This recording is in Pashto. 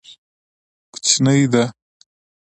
کوچنی ده.